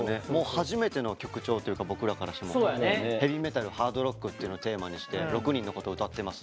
初めての曲調というか僕らからしても。ヘビーメタルハードロックっていうのテーマにして６人のことを歌ってますんで。